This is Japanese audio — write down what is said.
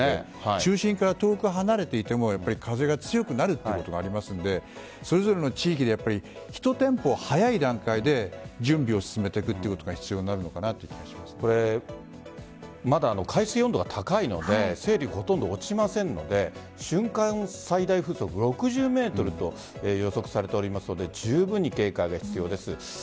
中心から遠く離れていても風が強くなるということもありますのでそれぞれの地域で１テンポ早い段階で準備を進めていくことがまだ海水温度が高いので勢力がほとんど落ちませんので最大瞬間風速６０メートルと予測されておりますのでじゅうぶんに警戒が必要です。